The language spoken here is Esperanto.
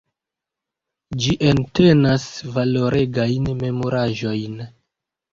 Ĝi entenas valoregajn memoraĵojn.